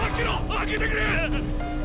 開けてくれ！！